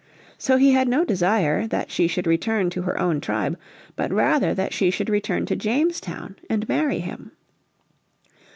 So he had no desire that she should return to her own tribe, but rather that she should return to Jamestown and marry him.